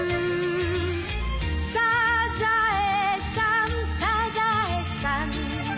「サザエさんサザエさん」